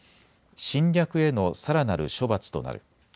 侵略へのさらなる処罰となる。